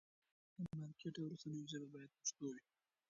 د مارکېټ او رسنیو ژبه باید پښتو وي.